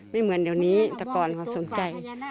ไม่เหมือนเดี๋ยวนี้แต่ก่อนเขาสนใจ